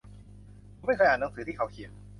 ผมไม่เคยอ่านหนังสือที่เขาเขียน